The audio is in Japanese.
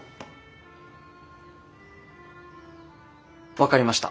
分かりました。